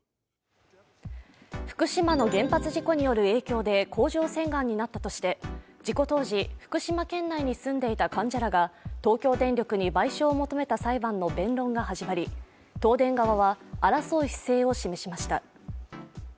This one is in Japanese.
福島の原発事故による影響で、甲状腺がんになったとして事故当時、福島県内に住んでいた患者らが東京電力に賠償を求めた裁判の弁論が始まり、東電側は、争う姿勢を示しました。